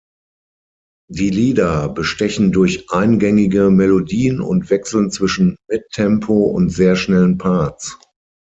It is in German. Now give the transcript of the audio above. Die Lieder bestechen durch eingängige Melodien und wechseln zwischen Mid-Tempo und sehr schnellen Parts.